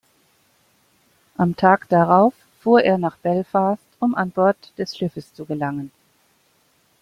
Am Tag darauf fuhr er nach Belfast, um an Bord des Schiffes zu gelangen.